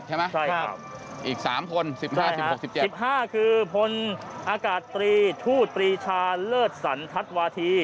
ใช่ครับอีก๓คน๑๕๑๖๑๗ใช่ครับ๑๕คือพลอากาศตรีทูตรีชาเลิศสันทัศวาธี